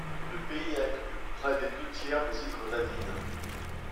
Le pays inclut près des deux-tiers des îles Grenadines.